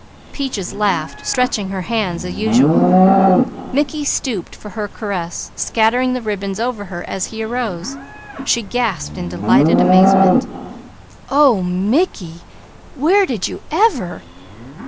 _" Peaches laughed, stretching her hands as usual. Mickey stooped for her caress, scattering the ribbons over her as he arose. She gasped in delighted amazement. "Oh! Mickey! Where did you ever?